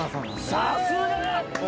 ◆さすが！